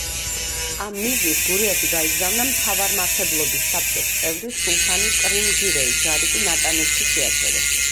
ამ მიზნით გურიაში გაიგზავნა მთავარმართებლობის საბჭოს წევრი სულთანი კრიმ-გირეი, ჯარი კი ნატანებში შეაჩერეს.